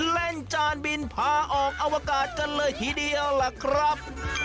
จานบินพาออกอวกาศกันเลยทีเดียวล่ะครับ